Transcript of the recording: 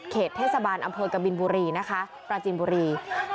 เขตเทศบาลอำเภอกับปราจีนบุรีนะคะ